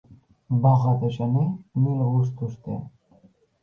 Boga de gener mil gustos té.